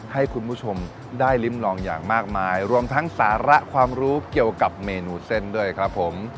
ให้คุณผู้ชมได้ริมลองอย่างมากมายรวมทั้งสาระความรู้เกี่ยวกับเมนูเส้นด้วยครับผม